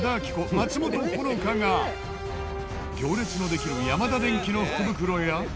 松本穂香が行列のできるヤマダデンキの福袋や。